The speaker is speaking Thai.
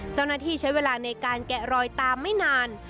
เจ้าหน้าที่ใช้เวลาในการแกะรอยตามไม่นาน